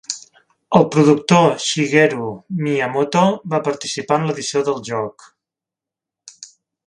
El productor Shigeru Miyamoto va participar en l'edició de el joc.